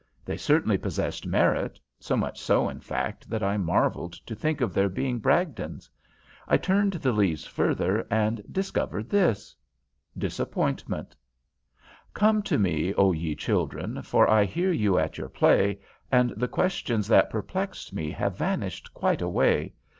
They certainly possessed merit, so much so, in fact, that I marvelled to think of their being Bragdon's. I turned the leaves further and discovered this: DISAPPOINTMENT Come to me, O ye children, For I hear you at your play, And the questions that perplexed me Have vanished quite away.